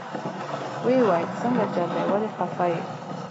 ويې ويل سنګه چل دې ولې خفه يې.